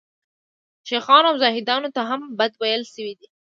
شیخانو او زاهدانو ته هم بد ویل شوي دي.